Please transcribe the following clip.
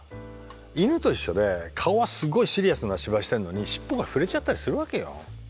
犬と一緒で顔はすごいシリアスな芝居してるのに尻尾が振れちゃったりするわけよ。